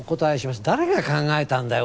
誰が考えたんだよ？